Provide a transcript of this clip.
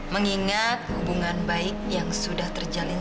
mengingat hubungan baik yang sudah terjalin